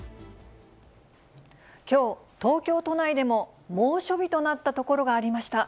きょう、東京都内でも猛暑日となった所がありました。